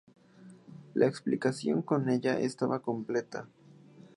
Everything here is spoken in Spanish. La expiación con ella estaba completa.